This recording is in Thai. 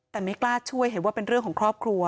แต่ไม่กล้าช่วยเห็นว่าเป็นเรื่องของครอบครัว